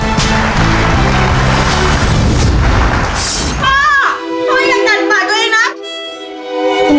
พ่อพ่ออย่ากัดปากตัวเองนะ